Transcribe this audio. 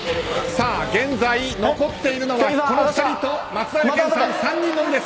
現在、残っているのはこの２人と松平健さんの３人のみです。